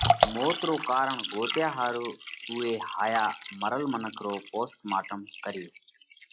موت رو ڪارڻ ڳوتيا ۿارُو اُوئي هائيا مرل منک رو پوسٽ مارٽم ڪريو